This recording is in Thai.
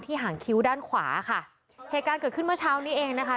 หางคิ้วด้านขวาค่ะเหตุการณ์เกิดขึ้นเมื่อเช้านี้เองนะคะ